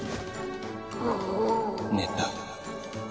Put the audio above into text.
寝た。